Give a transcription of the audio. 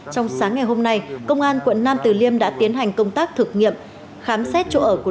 trong sáng ngày hôm nay công an quận nam từ liêm đã tiến hành công tác thực nghiệm khám xét chỗ ở của